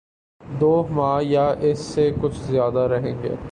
دو ماہ یا اس سے کچھ زیادہ رہیں گے۔